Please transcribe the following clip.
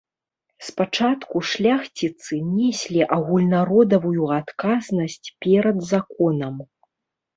Спачатку шляхціцы неслі агульнародавую адказнасць перад законам.